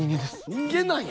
人間なんや。